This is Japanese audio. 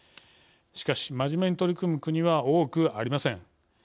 しかし真面目に取り組む国は多くありません。